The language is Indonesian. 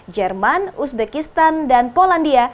jerman uzbekistan dan polandia